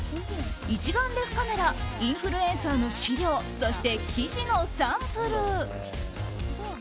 一眼レフカメラインフルエンサーの資料そして、生地のサンプル。